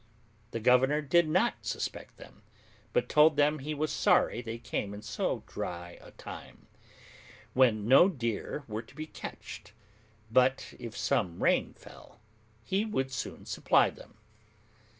The governor did not suspect them, but told them he was sorry they came in so dry a time, when no deer were to be catched, but if some rain fell, he would soon supply them.